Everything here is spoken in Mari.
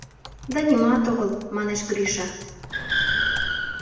— Да нимат огыл, — манеш Гриша.